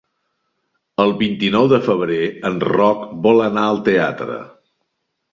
El vint-i-nou de febrer en Roc vol anar al teatre.